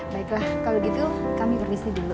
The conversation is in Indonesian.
baiklah kalau gitu kami berbisnis dulu ya